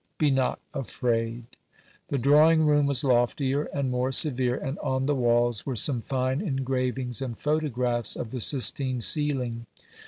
Be not afraid.' The drawing room was loftier and more severe, and on the walls were some fine engravings and photographs of the Sistine ceiling.